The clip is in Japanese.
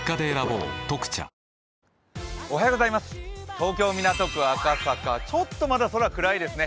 東京・港区赤坂、ちょっとまだ空が暗いですね。